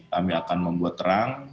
kami akan membuat terang